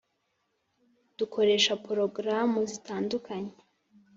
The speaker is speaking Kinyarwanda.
dukoresha porogaramu zitandukanye